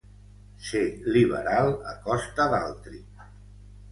Ser liberal a costa d'altri.